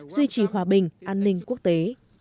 duy trì hòa bình an ninh quốc tế